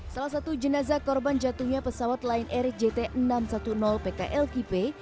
salah satu jenazah korban jatuhnya pesawat lion air jt enam ratus sepuluh pklkp